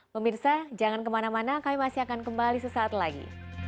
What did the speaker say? pemirsa jangan kemana mana kami masih akan kembali sesaat lagi